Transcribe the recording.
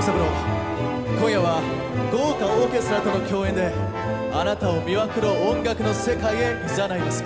今夜は豪華オーケストラとの共演であなたを魅惑の音楽の世界へいざないます。